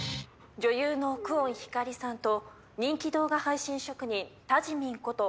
女優の久遠光莉さんと人気動画配信職人たじみんこと